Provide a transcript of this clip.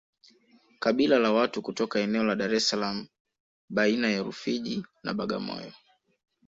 kabila la watu kutoka eneo la Dar es Salaam baina ya Rufiji na Bagamoyo